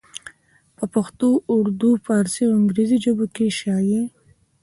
پۀ پښتو اردو، فارسي او انګريزي ژبو کښې شايع